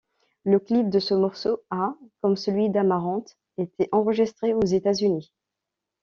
Le clip de ce morceau a, comme celui d'Amaranth, été enregistré aux États-Unis.